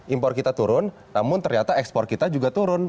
impor kita turun namun ternyata ekspor kita juga turun